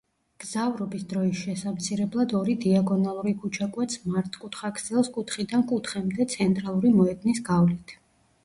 მგზავრობის დროის შესამცირებლად ორი დიაგონალური ქუჩა კვეთს მართკუთხა ქსელს კუთხიდან კუთხემდე, ცენტრალური მოედნის გავლით.